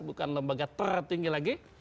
bukan lembaga tertinggi lagi